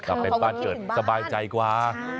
ที่เหมือนบ้านเกิดสบายใจกว่า